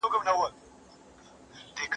رب دې نهٔ کاندي زخمي د زړه پهٔ سر بل